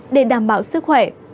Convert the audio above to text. để đảm bảo sức khỏe